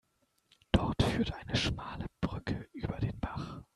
Dort führt eine schmale Brücke über den Bach.